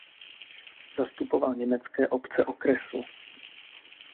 Zastupoval německé obce okresu.